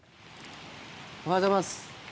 おはようございます。